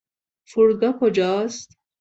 فرودگاه کجا است؟